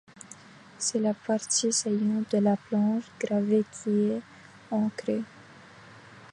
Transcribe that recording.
C'est la partie saillante de la planche gravée qui est encrée.